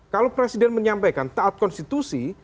kalau presiden menyampaikan taat konstitusi